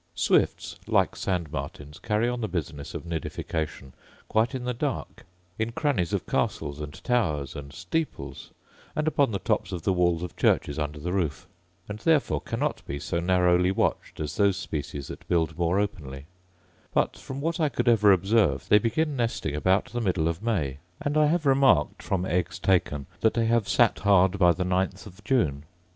Swifts, like sand martins, carry on the business of nidification quite in the dark, in crannies of castles, and towers, and steeples, and upon the tops of the walls of churches under the roof; and therefore cannot be so narrowly watched as those species that build more openly: but, from what I could ever observe, they begin nesting about the middle of May; and I have remarked, from eggs taken, that they have sat hard by the ninth of June.